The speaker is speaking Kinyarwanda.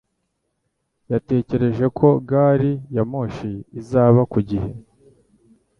Yatekereje ko gari ya moshi izaba ku gihe.